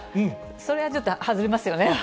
それはちょっと外れますよね。